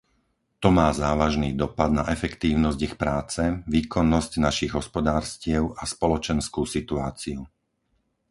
To má závažný dopad na efektívnosť ich práce, výkonnosť našich hospodárstiev a spoločenskú situáciu.